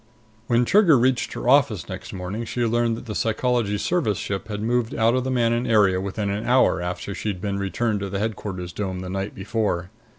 When Trigger reached her office next morning, she learned that the Psychology Service ship had moved out of the Manon area within an hour after she'd been returned to the Headquarters dome the night before.